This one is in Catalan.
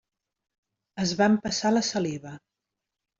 Es va empassar la saliva.